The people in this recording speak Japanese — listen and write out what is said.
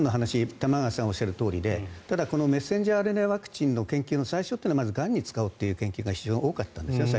玉川さんおっしゃるとおりでただメッセンジャーＲＮＡワクチンの研究の最初はまずがんに使おうという研究が非常に最初多かったんです。